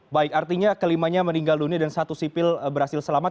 baik artinya kelimanya meninggal dunia dan satu sipil berhasil selamat